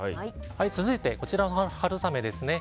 続いて、こちらの春雨ですね。